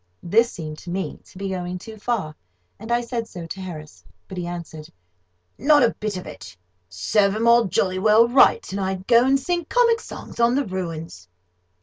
This seemed to me to be going too far, and I said so to Harris; but he answered: "Not a bit of it. Serve 'em all jolly well right, and I'd go and sing comic songs on the ruins."